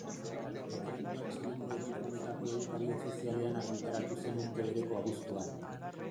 Dekretua Txileko Errepublikako Egunkari Ofizialean argitaratu zen urte bereko abuztuan.